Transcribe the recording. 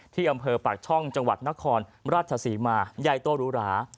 ที่อำเภอปากช่องจังหวัดนครราชศรีมาใหญ่โตหรูหรา